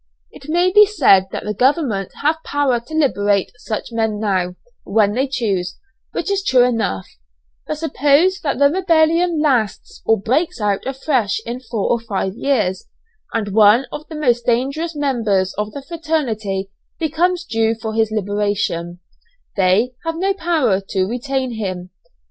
It may be said that the government have power to liberate such men now, when they choose, which is true enough, but suppose that the rebellion lasts, or breaks out afresh in four or five years, and one of the most dangerous members of the fraternity becomes due for his liberation, they have no power to retain him.